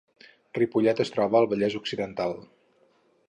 Ripollet es troba al Vallès Occidental